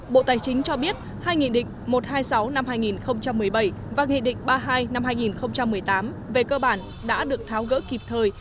bộ tài chính cho biết hai nghị định một trăm hai mươi sáu năm hai nghìn một mươi bảy và nghị định ba mươi hai năm hai nghìn một mươi tám về cơ bản đã được tháo gỡ kịp thời